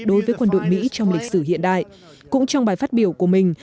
đối với quân đội mỹ trong lịch sử hiện đại cũng trong bài phát biểu của mình